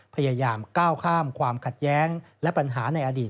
พยายามก้าวข้ามความขัดแย้งและปัญหาในอดีต